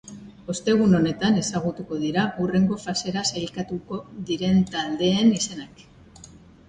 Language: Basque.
Ostegun honetan ezagutuko dira hurrengo fasera sailkatuko diren taldeen izenak.